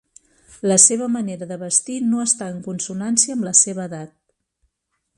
La seva manera de vestir no està en consonància amb la seva edat.